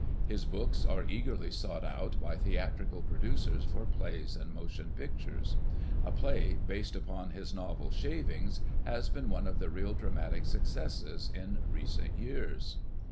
His books are eagerly sought out by theatrical producers for plays and motion pictures. A play based upon his novel, "Shavings." has been one of the real dramatic successes of recent years.